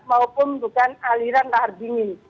maupun bukan aliran lahar dingin